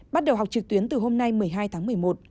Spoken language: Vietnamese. bắt đầu học trực tuyến từ hôm nay một mươi hai tháng một mươi một